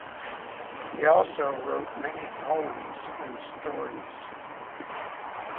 He also wrote many poems and stories.